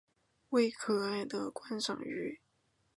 为可爱的观赏鱼。